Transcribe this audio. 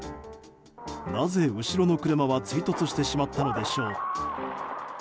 なぜ後ろの車は追突してしまったのでしょう。